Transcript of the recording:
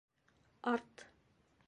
Арт.